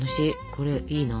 これいいな。